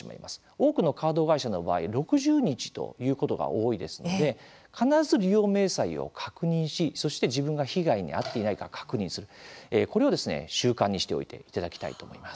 多くのカード会社の場合６０日ということが多いですので必ず利用明細を確認し、そして自分が被害に遭っていないか確認するこれを習慣にしておいていただきたいと思います。